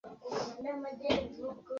Safari ya kuupanda Mlima Meru na kushuka